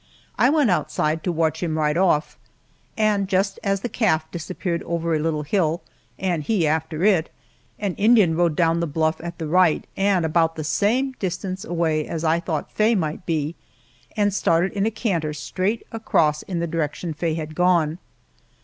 I went outside to watch him ride off, and just as the calf disappeared over a little hill and he after it, an Indian rode down the bluff at the right, and about the same distance away as I thought Faye might be, and started in a canter straight across in the direction Faye had gone.